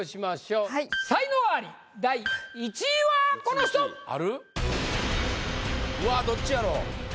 うわっどっちやろう？